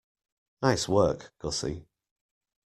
Nice work, Gussie.